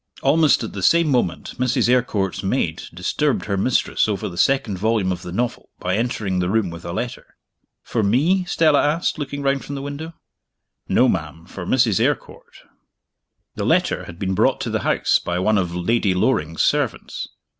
Almost at the same moment Mrs. Eyrecourt's maid disturbed her mistress over the second volume of the novel by entering the room with a letter. "For me?" Stella asked, looking round from the window. "No, ma'am for Mrs. Eyrecourt." The letter had been brought to the house by one of Lady Loring's servants.